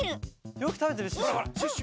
よくたべてるシュッシュ？